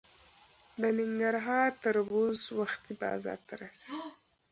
د ننګرهار تربوز وختي بازار ته راځي.